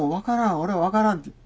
俺分からんって。